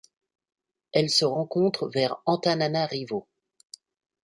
Elle se rencontre vers Antananarivo.